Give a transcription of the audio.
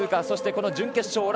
そして準決勝